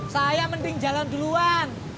saya mending jalan duluan